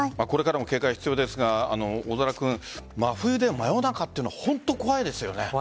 これからも警戒が必要ですが真冬で真夜中というのは本当に怖いですよね。